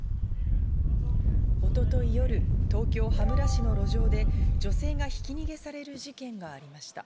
一昨日夜、東京・羽村市の路上で女性がひき逃げされる事件がありました。